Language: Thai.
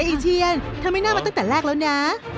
เย้อีเชียนทำให้น่ามาตั้งแต่แรกแล้วนะ